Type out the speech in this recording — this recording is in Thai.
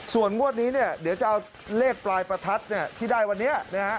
ส่วนงวดนี้เนี่ยเดี๋ยวจะเอาเลขปลายประทัดเนี่ยที่ได้วันนี้นะฮะ